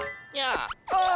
ああ！